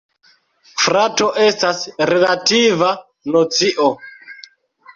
Frato estas relativa nocio.